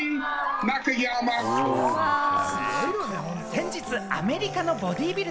先日、アメリカのボディビル